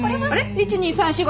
１２３４５。